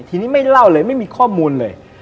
ทีนี้ไม่เล่าเลยไม่มีข้อมูลเลย